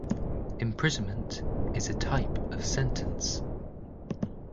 Imprisonment is a type of sentence.